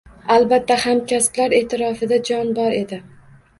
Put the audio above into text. Albatta, hamkasblar e’tirofida jon bor edi